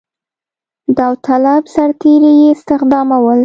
داوطلب سرتېري یې استخدامول.